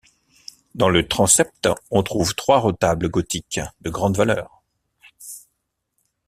Dans le transept on trouve trois retables gothiques de grande valeur.